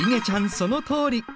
そのとおり。